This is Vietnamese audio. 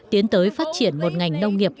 tiến tới phát triển một ngành nông nghiệp